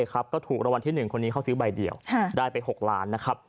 ก็ถูกรางวัลที่๑คนนี้เขาซื้อใบเดียวได้ไป๖ล้านนะครับ